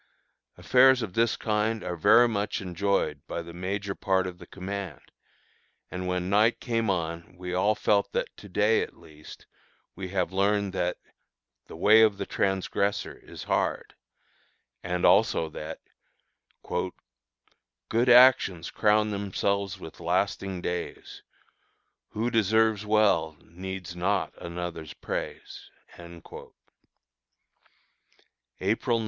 Affairs of this kind are much enjoyed by the major part of the command; and when night came on we all felt that to day, at least, we have learned that "the way of the transgressor is hard," and also that "Good actions crown themselves with lasting days; Who deserves well needs not another's praise." _April 9.